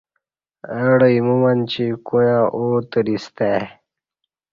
اہ ڈہ ایمو مچی کویاں اوع تریستہ ای